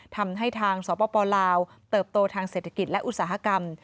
ทำให้ทางสปลาวเติบโตทางเศรษฐกิจและอุตสาหกรรม